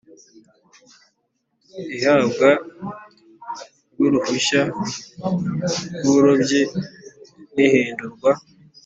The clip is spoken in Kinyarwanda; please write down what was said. Ihabwa ry uruhushya rw uburobyi n ihindurwa